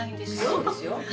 そうですよ